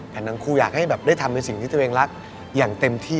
แถมทั้งคู่อยากให้แบบได้ตามเป็นสิ่งที่